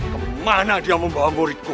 kemana dia membawa muridku